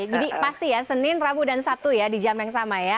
jadi pasti ya senin rabu dan sabtu ya di jam yang sama ya